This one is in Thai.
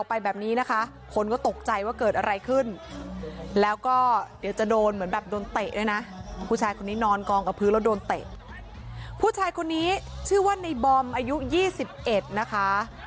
พื้นแล้วโดนเตะผู้ชายคนนี้ชื่อว่านายบอมอายุยี่สิบเอ็ดนะคะ